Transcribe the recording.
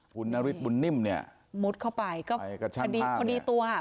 คุณนาริสบุนนิ่มเนี่ยมุดเข้าไปก็พอดีตัวค่ะ